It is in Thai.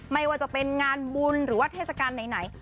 ไม่ว่าจะเป็นงานบุญหรือว่าเทศกาลไหน